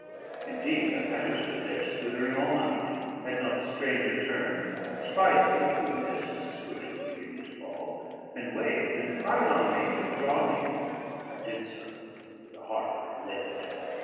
Indeed, I might have stood there swithering all night, had not the stranger turned, spied me through the mists, which were beginning to fall, and waved and cried on me to draw near. I did so with a heart like lead.